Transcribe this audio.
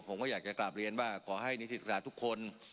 ผมก็อยากจะกราบเรียนว่าขอให้นิทธิศกษาทุกคน